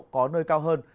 có nơi cao hơn